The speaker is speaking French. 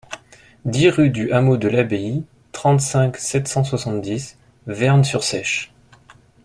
dix rue du Hameau de l'Abbaye, trente-cinq, sept cent soixante-dix, Vern-sur-Seiche